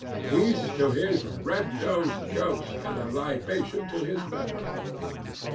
Peace to his red nosed ghost and a libation to his memory!